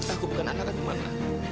aku bukan anak anak mama